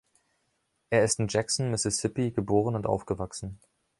Er ist in Jackson, Mississippi, geboren und aufgewachsen.